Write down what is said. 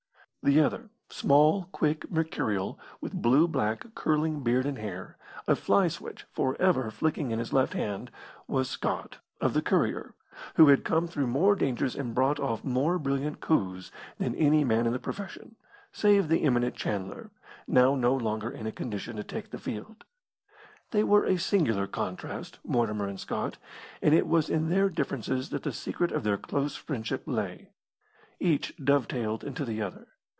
The other small, quick, mercurial, with blue black, curling beard and hair, a fly switch for ever flicking in his left hand was Scott, of the Courier, who had come through more dangers and brought off more brilliant coups than any man in the profession, save the eminent Chandler, now no longer in a condition to take the field. They were a singular contrast, Mortimer and Scott, and it was in their differences that the secret of their close friendship lay. Each dovetailed into the other.